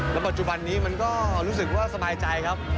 แล้วปัจจุบันนี้มันก็รู้สึกว่าสบายใจครับ